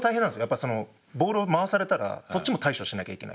やっぱそのボールを回されたらそっちも対処しなきゃいけない。